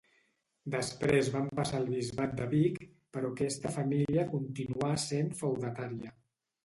Després van passar al bisbat de Vic però aquesta família continuà sent feudatària.